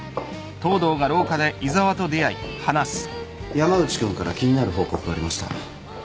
山内君から気になる報告がありました。